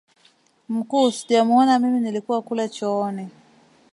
mkuu sijamuona mimi nilikuwa kule chooni